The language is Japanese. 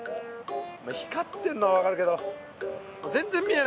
光ってんのは分かるけど全然見えないじゃん！